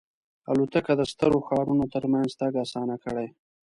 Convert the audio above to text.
الوتکه د ستر ښارونو ترمنځ تګ آسان کړی.